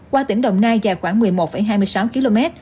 qua tỉnh đồng nai dài khoảng một mươi một hai mươi sáu km